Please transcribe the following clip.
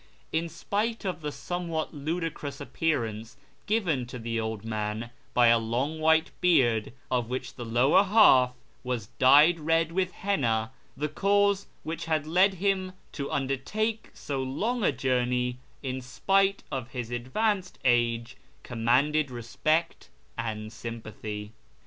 In spite of the somewhat ludicrous appearance given to the old man by a long white beard of which the lower half was dyed I'ed with henna, the cause which had led him to undertake so long a journey in spite of his advanced age commanded respect and sympathy.